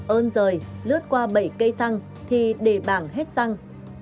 ơn rời lướt qua bảy cây xăng thì để bảng hết xăng